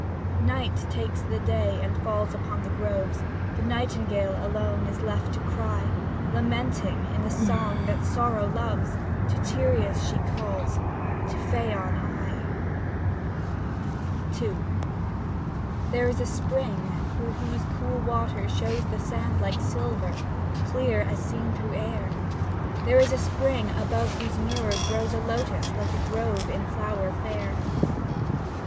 Night takes the day and falls upon the groves. The nightingale alone is left to cry. Lamenting, in the song that sorrow loves. To Tereus she calls, to Phaon, L 72 SAPPHO TO PHAON II There is a spring, through whose cool water shows The sand like silver, clear as seen through air. There is a spring, above whose mirror grows A lotus like a grove in flower fair.